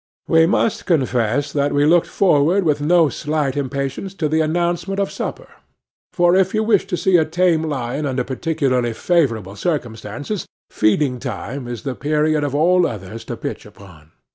We must confess that we looked forward with no slight impatience to the announcement of supper; for if you wish to see a tame lion under particularly favourable circumstances, feeding time is the period of all others to pitch upon.